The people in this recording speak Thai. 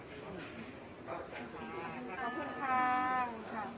ขอบคุณครับ